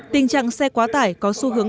tình trạng xe quá tải có xu hướng